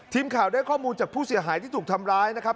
ทีมข่าวได้ข้อมูลจากผู้เสียหายที่ถูกทำร้ายนะครับ